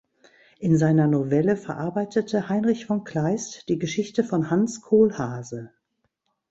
In seiner Novelle verarbeitete Heinrich von Kleist die Geschichte von Hans Kohlhase.